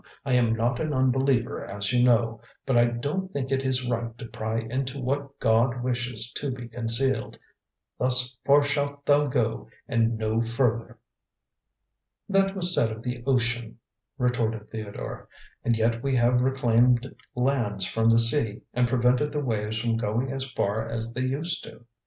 I am not an unbeliever, as you know, but I don't think it is right to pry into what God wishes to be concealed. 'Thus far shalt thou go and no further!'" "That was said of the ocean," retorted Theodore. "And yet we have reclaimed lands from the sea and prevented the waves from going as far as they used to.